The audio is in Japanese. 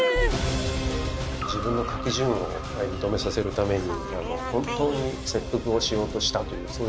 自分の書き順を認めさせるために本当に切腹をしようとしたというそういう話があります。